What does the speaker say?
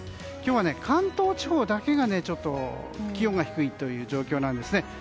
今日は関東地方だけが気温が低いという状況なんですね。